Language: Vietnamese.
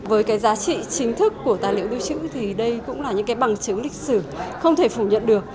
với cái giá trị chính thức của tài liệu lưu trữ thì đây cũng là những cái bằng chứng lịch sử không thể phủ nhận được